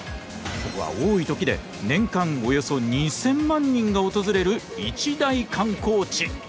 ここは多い時で年間およそ２，０００万人が訪れる一大観光地！